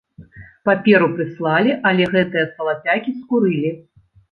Паперу прыслалі, але гэтыя салапякі скурылі.